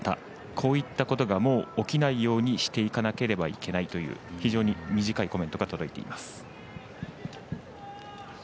こういったことがもう起きないようにしていかなければいけないという非常に短いコメントが届いています。